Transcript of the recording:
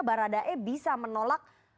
baradae bisa menolak